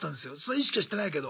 意識はしてないけど。